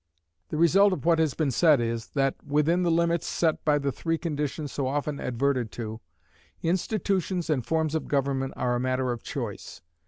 The result of what has been said is, that, within the limits set by the three conditions so often adverted to, institutions and forms of government are a matter of choice.